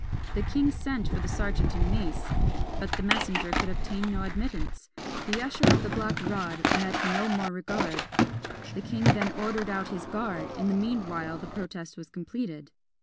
The king sent for the serjeant and mace, but the messenger could obtain no admittance the usher of the black rod met no more regard. The king then ordered out his guard in the meanwhile the protest was completed.